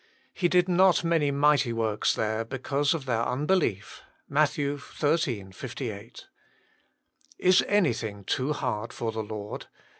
"He did not many mighty works there because of their un belief. "MATT, xiii. 58. "Is anything too hard for the Lord?